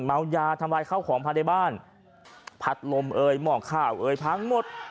เมายาทำลายข้าวของภายในบ้านพัดลมเอ่ยหมอกข้าวเอ่ยพังหมด